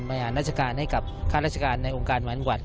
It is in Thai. งานราชการให้กับข้าราชการในองค์การหมายหวัด